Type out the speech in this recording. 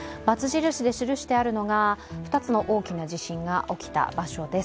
×印で記してあるのが２つの大きな地震が起きた場所です